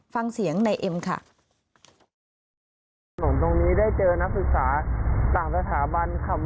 ฟังเสียงในเอ็มค่ะ